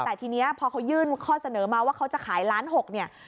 แต่ทีนี้พอเขายื่นข้อเสนอมาว่าเขาจะขายล้านหกเนี่ย